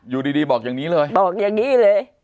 อยู่ดีบอกอย่างนี้เลยบอกอย่างนี้เลย